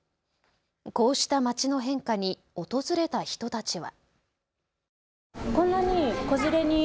こうしたまちの変化に訪れた人たちは。